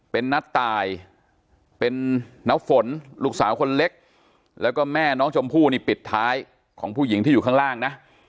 เป็นนัดตายเป็นน้าฝนลูกสาวคนเล็กแล้วก็แม่น้องชมพู่นี่ปิดท้ายของผู้หญิงที่อยู่ข้างล่างนะ